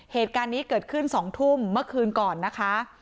เหตุการณ์นี้เกิดขึ้น๒ทุ่มเมื่อคืนก่อนนะคะ